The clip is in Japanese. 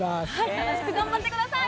楽しく頑張ってください！